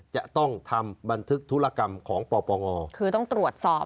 จะต้องทำบันทึกธุรกรรมของปปงคือต้องตรวจสอบ